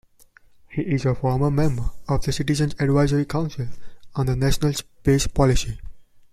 He is a former member of the Citizens' Advisory Council on National Space Policy.